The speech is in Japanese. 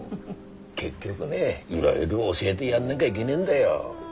結局ねいろいろ教えでやんなぎゃいげねえんだよ。